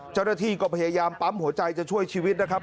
เจ้าหน้าที่ก็พยายามปั๊มหัวใจจะช่วยชีวิตนะครับ